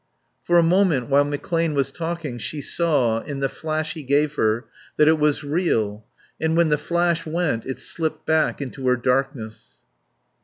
For a moment while McClane was talking she saw, in the flash he gave her, that it was real. And when the flash went it slipped back into her darkness.